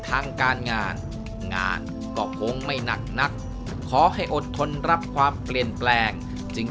ทางการงานงานก็คงไม่หนักนักขอให้อดทนรับความเปลี่ยนแปลงจึง